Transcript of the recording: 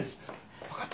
分かった？